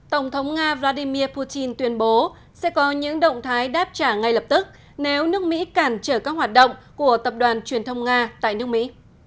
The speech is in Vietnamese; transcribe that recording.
tổng thống nga vladimir putin tuyên bố sẽ có những động thái đáp trả ngay lập tức nếu nước mỹ cản trở các hoạt động của tập đoàn truyền thông nga tại nước mỹ